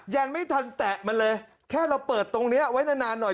ยังไม่ทันแตะมันเลยแค่เราเปิดตรงนี้ไว้นานหน่อย